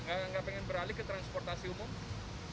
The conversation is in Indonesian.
nggak pengen beralih ke transportasi umum